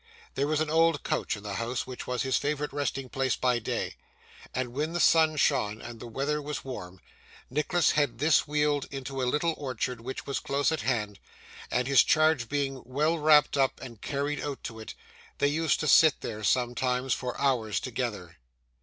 There was an old couch in the house, which was his favourite resting place by day; and when the sun shone, and the weather was warm, Nicholas had this wheeled into a little orchard which was close at hand, and his charge being well wrapped up and carried out to it, they used to sit there sometimes for hours together.